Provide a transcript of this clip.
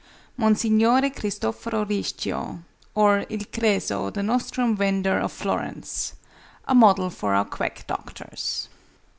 MONSIGNORE CRISTOFORO RISCHIO; OR, IL CRESO, THE NOSTRUM VENDER OF FLORENCE. A MODEL FOR OUR QUACK DOCTORS.